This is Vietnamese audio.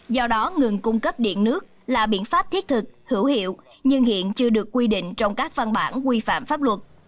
do đó ngừng cung cấp điện nước là biện pháp thiết thực hữu hiệu nhưng hiện chưa được quy định trong các văn bản quy phạm pháp luật